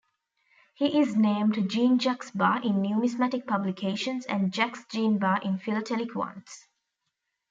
He is named "Jean-Jacques Barre" in numismatic publications and "Jacques-Jean Barre" in philatelic ones.